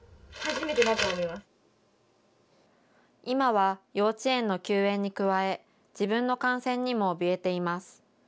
今は幼稚園の休園に加え、自分の感染にもおびえています。